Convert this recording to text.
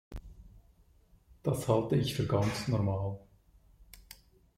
Das halte ich für ganz normal.